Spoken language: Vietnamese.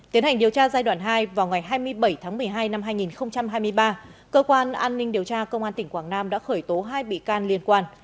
tiến hành điều tra giai đoạn hai vào ngày hai mươi bảy tháng một mươi hai năm hai nghìn hai mươi ba cơ quan an ninh điều tra công an tỉnh quảng nam đã khởi tố hai bị can liên quan